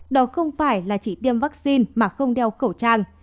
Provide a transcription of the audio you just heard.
đó không phải là chỉ tiêm vaccine mà không đeo khẩu trang